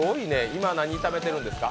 今、何炒めてるんですか？